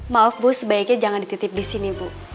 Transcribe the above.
maaf bu sebaiknya jangan dititip disini bu